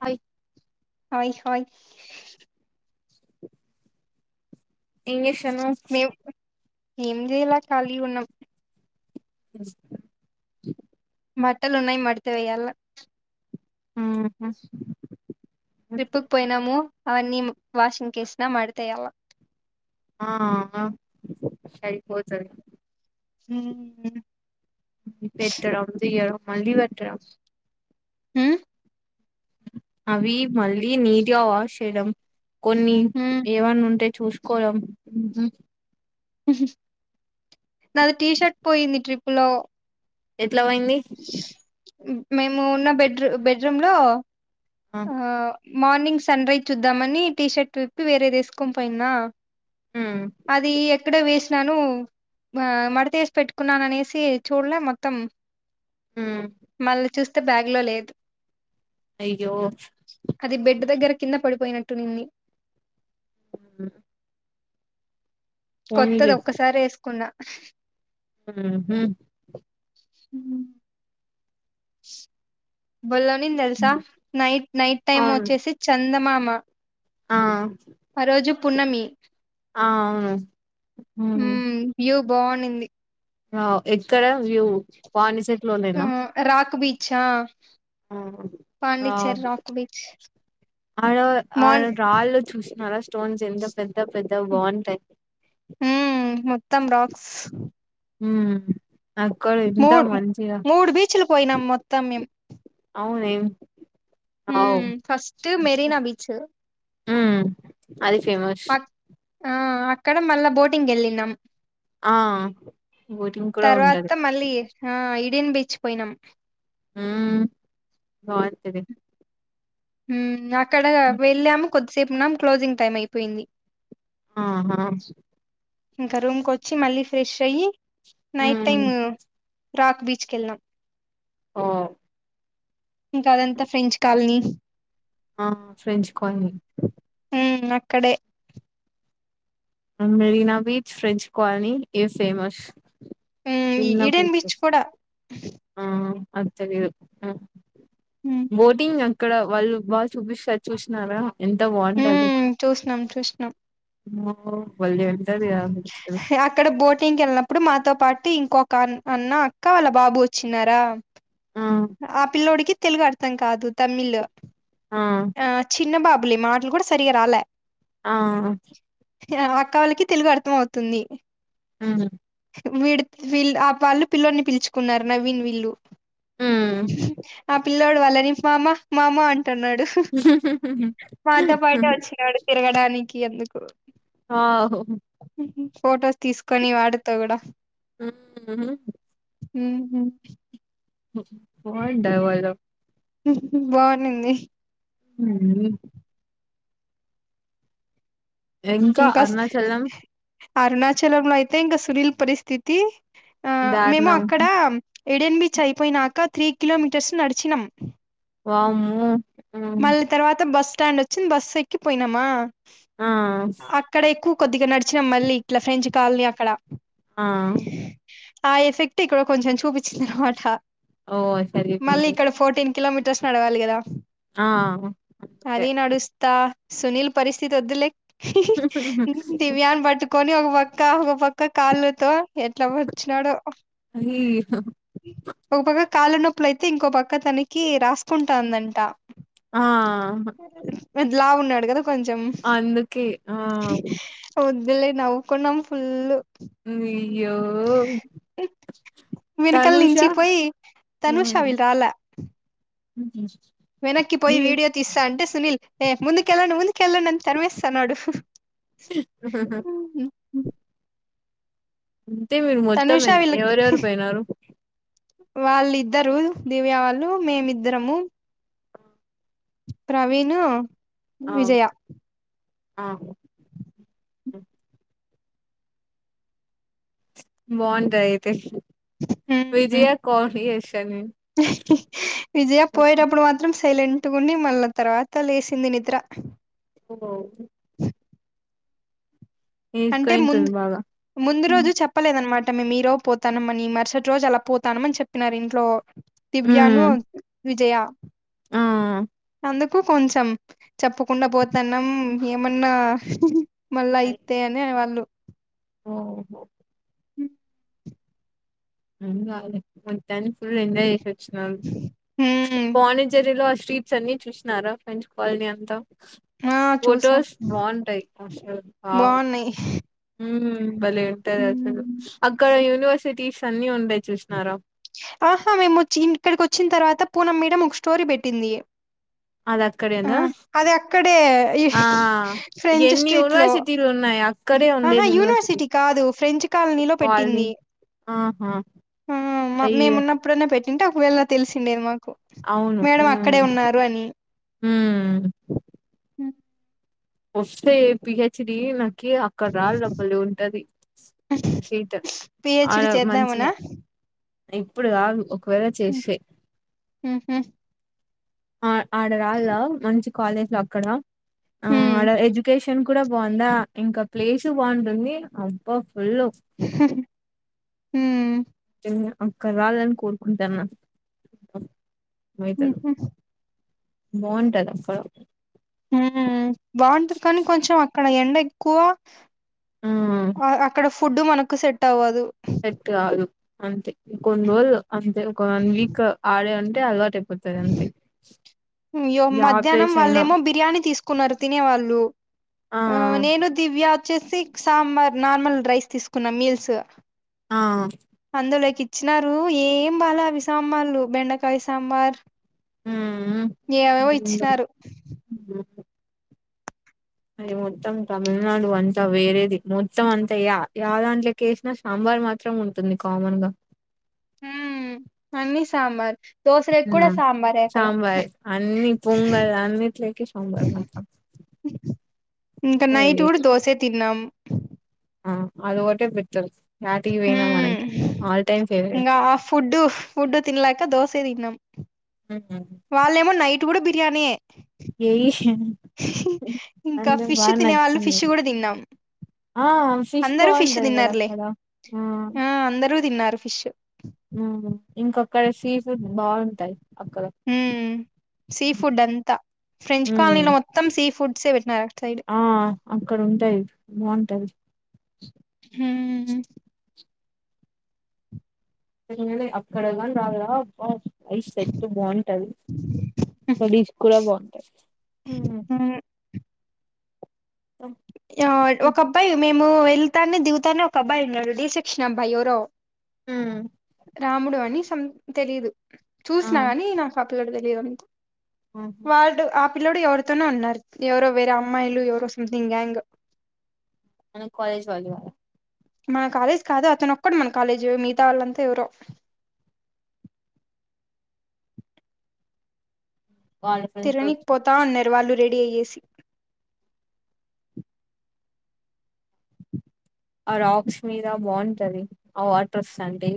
Hi hi hi English ten months మేము ఏం చేయలే ఖాళీ గున్నాం హ్మ్మ్ బట్టలున్నాయ్ మడత వేయాలా హ్మ్మ్ ట్రిప్పు కు పోయినాము అవన్నీ వాషింగ్ కేసినా మడతేయాలా ఆహా సరిపోతది హ్మ్మ్ పెట్టర ఉంది గద మళ్ళీ పెట్టరా హ్మ్ అవి మళ్ళీ నీటిగా వాష్ చేయడం కొన్ని హ్మ్ ఏవన్న ఉంటాయి చూసుకోడం నాది టీషర్ట్ పోయింది ట్రిప్ లో ఎట్లా అయింది మేము ఉన్న బెడ్రూ బెడ్రూమ్లో ఆ మార్నింగ్ సన్ రైస్ చూద్దామని టీ షర్ట్ విప్పి వేరేదేసుకని పోయినా ఉమ్ అది ఎక్కడో వేసి నను మా మడతేసి పెట్టుకున్నాను అనేసి చూడలే మొత్తం ఉమ్ మళ్ళీ చూస్ బ్యాగ్ లో లేదు అయ్యో అది బెడ్ దగ్గర కింద పడిపోయినట్టుంది హ్మ్మ్ కొత్తది ఒక్కసారి వేసుకున్నా హ్మ్మ్ హు భలే ఉన్నింది తెలుసా నైట్ నైట్ టైమ్ అవును వచ్చేసి చందమామ మా ఆ ఆ రోజు పున్నమి ఆ అవును ఊ వ్యూ బాగునింది అ ఎక్కడ వ్యూ వానిసేట్ లోలేనా ఛా పాండిచర్ రాక్ బీచ్ ఆయన ఆయన మార్ కాళ్ళు చూసినారా స్టోన్స్ ఎంత పెద్ద పెద్ద బాగుంటాయి. మ్మ్ మొత్తం రాక్స్ హు మూడు మూడు బీచ్లు పోయినాం మొత్తం మేము అవును ఏ అవు మ్మ్ ఫస్ట్ మెరీనా బీచ్ హు అది ఫేమస్ అక్ ఆ అక్కడ మళ్ళా బోటింగ్ వెళ్ళినాం. ఆ బోటింగ్ కూడా ఉండదు డీన్ బీచ్ పోయినాం హు బాగుంటది హు ఇక్కడ వెళ్ళాము కొద్దిగా సేపు వున్నాం క్లోజింగ్ టైమ్ అయిపోయింది. ఆహా ఇంకా రూమ్ కు వచ్చి మళ్ళీ ఫ్రెష్ అయ్యి night um time rock beach వెళ్ళినం ఆ ఇంకా అదంతా ఫ్రెంచ్ కాలనీ ఆ ఫ్రెంచ్ కాలనీ ఉ అక్కడే మెరినా బీచ్ ఫ్రెంచ్ కాలనీ ఇవి ఫేమస్ ఈ విన్న ఇడేన్ బీచ్ ప్లేసెస్ కూడా ఆ అది తీలియదు ఉమ్ బోటింగ్ ఇక్కడ వాళ్ళు బాగా చూపిస్తారు చూసినారా ఎంత హ్మ్ చూసినం చూసినం ఓ అక్కడ బోటింగ్కి వెళ్ళినప్పుడు మాతో పా టి ఇంకొక అన్న అక్క వాళ్ళ బాబు వచ్చినారా ఆ ఆ పిల్లోడికి తెలుగు అర్థం కాదు తమిళ్ ఆ చిన్న బాబు మళ్ళీ మాటలు కూడా సరిగా రాలా ఆ అక్క వాళ్ళకి తెలుగు అర్థం అవుతుంది హ్మ్ వీడి వీళ్ళు ఆ వాళ్ళు పిల్ల్లోని పిలుచుకున్నారు నవీన్ వీళ్ళు హ్మ్ అ పిల్లోడు వాళ్ళని మామ మామ అం తన్నాడు మాతో పాటే వచ్చినాడు తిరగడాని కి ఎందుకు ఆహో ఫొటోస్ తీసుకొని వాడు తగడ హ్మ్ ఊహూ పో అంటావా ర బాగునింది [unintelligible] ఇంకా అరుణాచలం అరుణాచలంలో అయితే ఇంకా సునీల్ పరిస్థితి ఆ మేము దారుణం అక్కడ ఎడెన్ బిచ్ అయిపోయినాక త్రీ కిలోమీటర్స్ నడిచినం వామ్మో హ్మ్ మళ్ళీ తర్వాత బస్ స్టాండ్ వచ్చి బస్సు ఎక్కి పోయినామా ఆ అక్కడ ఎక్కువ కొద్దిగా నడిచినం మళ్ళీ ఇట్లా ఫ్రెంచ్ కాలనీ అక్కడ ఆ ఆ ఎఫెక్ట్ ఇక్కడ కొంచెం చూపించింది అన్నమాట ఓ మళ్ళీ సరిపోయింది ఇక్కడ ఫోర్టీన్ కిలోమీటర్స్ నడవాలి గదా ఆ అంతే అదే నడుస్తా సునీల్ పరిస్థితి ఒద్దులే [inaudible] కొని ఒక పక్క పక్క ఒక కాళ్ళతో ఎట్లా వచ్చినాడో అది ఒకొక్క కాళ్ళ నొప్పుల అయితే ఇంకో పక్క తనకీ రాసుకుంటాందంట ఆ మీర్లావున అందుకే ఆ [inaudible] ఒద్దులే నవ్వుకున్నం ఫుల్ అ వెనకల్ తనుష నించి పోయి ఏమన్ తనుషవిల్రాలె [inaudible] వెనక్కి పోయి మీ వీడియో తీస్తాంటే స్ సునీల్ ఏ ముందుకెల్లండి ముందుకెల్లండని తర్మేస్తు నాడు [inaudible] [inaudible] [inaudible] తే మీరు మొత్తం తనుష ఎత్ ఎవరెవరు పోయినారు వాళ్లిద్దరు దివ్య వాళ్ళు మేమిద్దరము ప్రవీణూ ఆ విజయ, [inaudible] బావుంటాయ్ ఐతే మ్మ్ విజయా [inaudible] స్ విజయ పోయెటప్పుడు మాత్రం సైలెంట్గుని మళ్ల తర్వాత లేసింది నిద్ర [inaudible] అంటే ముంద్ వేసుకుంటుంది బాగా ముందు రోజు చెప్పలేదన్నమాట్ మేం రోజు పోతానం మని మరుసటి రోజు అలా పోతానం అని చెప్పినారు ఇంట్లో దివ్యాను హ్మ్ విజయా, ఆ అందుకు కొంచెం చెప్పకుండా పోతాన్నాం ఏమన్నా మళ్ళ ఐతే అని వాళ్ళు. ఓహో ఏమ్ కాదులే మొత్తానికి ఫుల్ ఎంజాయ్ చేశిర్ మ్మ్ వాణిజరిలో అష్ స్ట్రీట్స్ అన్నీ చూసినారా ఫ్రెంచ్ కాలనీ అంతా. ఆ చూసాం ఫొటోస్ బాగుంటాయి. అసలు వావ్. బాగున్నాయి ఉమ్ భలే ఉంటది అసలు. ఉమ్. అక్కడ యూనివర్సిటీస్ అన్నీ ఉండే చూసినారా. ఆహా మేముచ్చి ఇక్కడికి వచ్చిన్ తర్వాత పూనం మేడం ఒక స్టోరీ పెట్టిందీ. అది అక్కడే ఉందా. అక్కడే ఈ ఆ ఫ్రెంచ్ ఎన్ని స్ట్రీట్ లో యూనివర్సిటీలు ఉన్నాయి అక్కడే ఆహా ఉండేది యూనివర్సిటీ. కాదు ఫ్రెంచ్ కాలనీలో కాలనీ పెట్టింది ఆహా ఆ మ ఐ మేమున్నప్పుడన్నా పెట్ ఉంటే ఒకవేళా తెలిసిందేమో. అవును ఊ ఊ ఉ ఒస్తే పి హెచ్ డీ నాక్ కీ అక్కడ రావళ్ళ బలే ఉంటది సీట. ఆడ పిహెచ్డి చేద్దామనా మంచిగా ఇప్పుడు కాదు ఒ ఒకవేళ చేస్తే. ఆ ఆడ రాళ్ళా మంచి కాలేజ్ లో అక్కడా ఆ ఆడ ఎడ్యుకేష్ న్ కూడా బాగుందా. ఇంకా ప్లేసు బాగుంటుందీ. అబ్బా ఫుల్లూ హ్మ అక్కడ రావాలని కోరుకుంటాన్నా. మయితడు. బావుంటది అక్కడ. హ్మూ బాగుంటది కానీ కొంచెం అక్క డ ఎండ ఎక్కువా. ఉమ్ అ అక్కడ ఫుడ్డూ మనకు సెట్ అవ్వదు. సెట్ కాదు అంతే ఇంకొన్ని రోజులు. అంతే ఒక వన్ వీక ఆడే ఉండ్ టే అలవాటు ఐ పోతది అంతే అయ్యో జాబ్ మధ్యాహ్నం ప్లేస్ అయినా వాళ్ళేమో బిర్యానీ తీసుకున్నారు తినేవాళ్ళు ఆ నేను దివ్య వచ్చేసి సాంబార్ నార్మల్ రైస్ తీసుకున్న మీల్స్ ఆ అందులకి ఇచ్చినారు ఏం బాల అవి సాంబార్లు బెండకాయ్ సాంబార్ ఉమ్ ఏమేమో ఇచ్చినారు అది మొత్తం తమిళనాడు అంతా వేరేది మొత్తం అంతా యా యా దాంట్లాకి ఏసినా సాంబార్ మాత్రం ఉంటుంది కామన్ గా మ్ అన్ని సాంబార్ దోశలకు ఆ! కూడా సాంబారే అక్కడ సాంబార్ అన్ని పొంగల్ అన్నిట్లేకి సాంబార్ మొత్తం ఇంకా నైట్ కూడా వెరైటీ దోసె తిన్నాం ఆ అది ఒకటే బెటర్ యాటికి పోయినా మ్ మనకి ఆల్ టైమ్ ఇంకా ఫేవరెట్ ఫుడ్ ఫుడ్ తినలేక దోస తిన్నం హ్మ్. వాళ్లేమో నైట్ కూడా బిర్యానీయే యేయ్ ఇంకా ఫిష్ బాగా తినే వాళ్ళు ఫిష్ నచ్చింది కూడా తిన్నాము ఆ అందరూ ఫిష్ బాగుంటది కదా తిన్నారులే అక్కడ ఆ అందరూ తిన్నారు ఫిష్ మ్ ఇంక అక్కడ సి ఫుడ్ బావుంటాయి మ్మ్ సీ ఫుడ్ అంతా ఫ్రెంచ్ ఉమ్ కాలనీలో మొత్తం సీ ఫుడ్ సే పెట్టిన అట్టు సైడ్ ఆ అక్కడ ఉంటాయి బాగుంటది మ్మ్ ఏం లే అక్కడ [unintelligible] సెట్ బాగుంటది స్డీస్ కూడా బాగుంటాది హ్మ్ యా ఒక అబ్బాయి మేము వెళ్ తాన్ని దిగుతానే ఒక అబ్బాయి ఉన్నడు డి సెక్షన్ అబ్బాయి ఎవరో మ్మ్ రాముడు అని సం తెలీదు ఆ చూసినా గానీ నాకు పిల్లోడు తేలి [unintelligible] ఆహా. వాళ్డు పిల్లోడు ఎవరితోనో ఉన్నారు ఎవరో వేరే అమ్మాయిలు ఎవరో సమ్థింగ్ గ్యాంగ్ మన కాలేజ్ వాళ్ళు మన కాలేజ్ కాదు అతను ఒక్కడు మన కాలేజు మిగతా వాళ్ళంతా ఎవరో వాళ్ళ ఫ్రెండ్స్ తో తిరగనీకి వచ్చి పోతా ఉన్నారు వాళ్ళు రెడ్ డిఏసి ఆ రాక్స్ మీద బాగుంటది ఆ వాటర్ వస్తంటె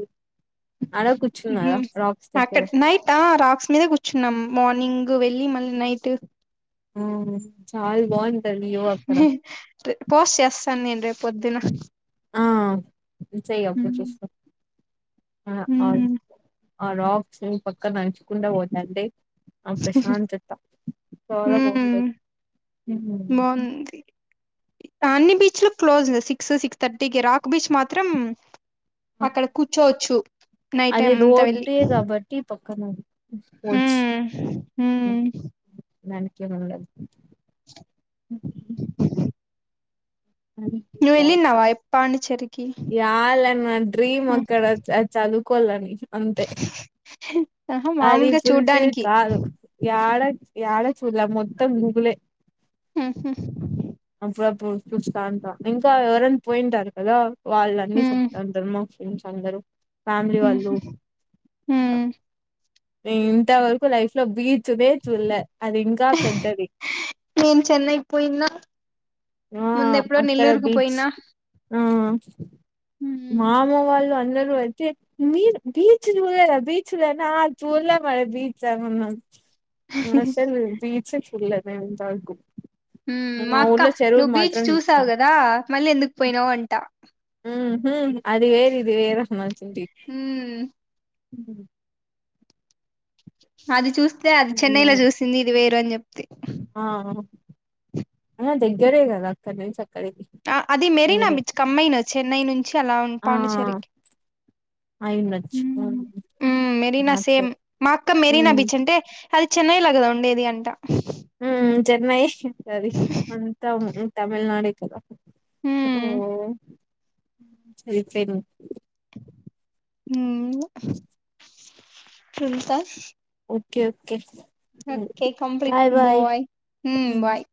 మ్మ్ దగ్గర ఆక్టర్ నైట్ హా రా మీద కూర్చున్నాం మార్నింగ్ వెళ్ళి మళ్ళీ నైట్ మ్మ్ పోస్ చెస్ తన్ నేన్ రేప్ పొద్దున ఆ నువ్ చేయి అప్పుడ్ చూస్తా ఆ ఆల్ హ్మ్ ఆ రాక్స్ పక్కన నడ్చకుంట పోతాంటే అ ప్రశాంతత హ్మ్ తాన్నీ బీచ్లో క్లోజ్ సిక్స్ సిక్స్ థర్టీకి రాక్ బీచ్ మాత్రం అక్కడ కూర్చోవచ్చు నైట్ టైం అంతా వెళ్ళి కమౌన్ మ్మ్ మ్ నాన్కే ముండన్ నువ్వు వెళ్ళిన్నావా పాండిచ్చేరికి యాలేన్ డ్రీమ్ అక్కడ చ చదువ్ కొళ్ళని అంతే ఆహా అది మామూలుగా ఫుల్ ఫీల్ చూడ్డానికి కాదు యాడ యాడ చూల్ల మొత్తం గూగులే మ్ హు చూస్తాంటా ఇంకా ఎవరన్ పోయింటార్ కదా వాళ్ళన్నీ చెప్తాంటరు ఫ్రెండ్స్ అందరూ ఫ్యామిలీ వాళ్ళు ఉహు ఉమ్ నేనన్ ఇంతవరకు లైఫ్లో బీ చుడె చుడ్లా అది ఇంకా పెద్దది నేను చెన్నైకి పోయినా ఆ ముందెప్పుడో అక్కడ నెల్లూరుకు బీచ్ పోయినా ఆ ఉమ్ మామ వాళ్ళు అందరూ నువ్వైతే బీ బీచ్లే బీచ్ లే ఆ చూలే మరి బీచ్ మ నాసలు బీ చేట్ పెళ్ పోయేంత గోప్ ఊ ఊ మా అక్క నువ్వు బీచ్ చూసావు చూసినం కదా మళ్ళీ ఎందుకు పోయినావు అంట మ్మ్ హ్మ్ అది వేరు ఇది వేరు అమ్మ తల్లి హ్మ్ మ్మ్ అది చూసి ఏ అది చెన్నై లో చూసింది ఇది వేరు గురె ఆ దగ్గరే కదా అక్కడ నుంచి అక్కడ ఆ అది మెరీనా బీచ్ కమ్మయినా చెన్నై నుంచి అలా ఆ పాండుచ్చేరికి అయిండొచ్చు మ్మ్ మ్మ్ మెరీనా అట్లే సేమ్ మా అక్క మెరీనా ఉమ్ బీచ్ అంటే అది చెన్నై లా కదా ఉండేది అంటా ఉమ్ చెన్నై ఉంటది అంత తమిళనాడే కధ ఓ హ్మ్ సరి ఖైదు మ్మ్ ఎంత okay okay okay complete bye మ్మ్ ఉమ్ బాయ్